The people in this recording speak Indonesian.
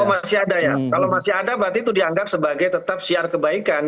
oh masih ada ya kalau masih ada berarti itu dianggap sebagai tetap siar kebaikan